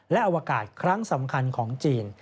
และอวกาศครั้งสำคัญของจีน